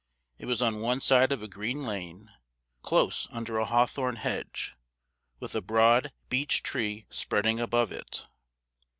It was on one side of a green lane, close under a hawthorn hedge, with a broad beech tree spreading above it.